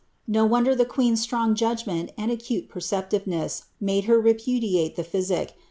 No wonder the queen's strong jndgmciii and acute perceptiveness made her repudiate the phvir.